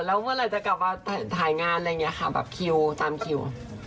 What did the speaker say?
แล้วเมื่อไหร่จะกลับมาถ่ายงานอะไรอย่างนี้ค่ะแบบคิวตามคิว